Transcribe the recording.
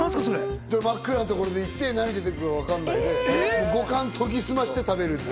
真っ暗なところに行って、何出てくるかわからないで、五感を研ぎ澄まして食べる。